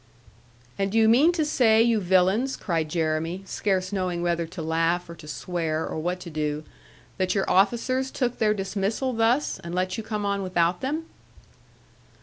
'And do you mean to say, you villains,' cried Jeremy, scarce knowing whether to laugh, or to swear, or what to do; 'that your officers took their dismissal thus, and let you come on without them?'